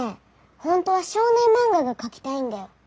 本当は少年漫画が描きたいんだよ。